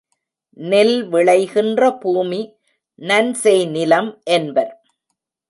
நெல் விளைகின்ற பூமி நன்செய் நிலம் என்பர்.